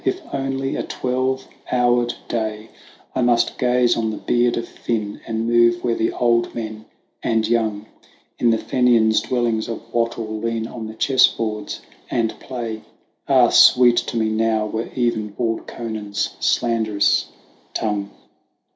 if only a twelve houred day, I must gaze on the beard of Finn, and move where the old men and young In the Fenians' dwellings of wattle lean on the chessboards and play, Ah, sweet to me now were even bald Conan's slanderous tongue